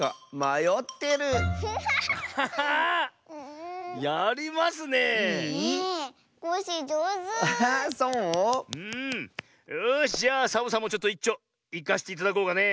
よしじゃあサボさんもちょっといっちょいかせていただこうかねえ。